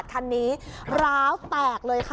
เขาบอกเลย